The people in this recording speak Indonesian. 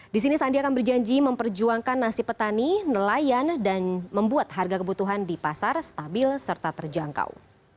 di sini sandi akan berjanji memperjuangkan nasib petani nelayan dan membuat harga kebutuhan di pasar stabil serta terjangkau